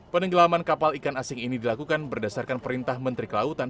penenggelaman kapal ikan asing ini dilakukan berdasarkan perintah menteri kelautan